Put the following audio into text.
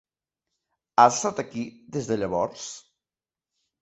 Has estat aquí des de llavors?